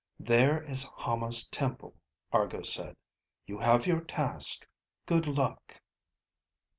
"There is Hama's temple," Argo said. "You have your task. Good luck."